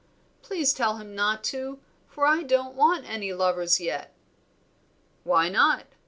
Please tell him not to, for I don't want any lovers yet." "Why not?"